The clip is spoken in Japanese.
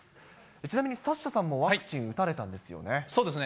ちなみにサッシャさんもワクチン打たれたんですよね？